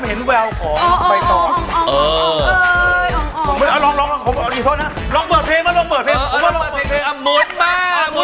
เห็นแววของใบตอง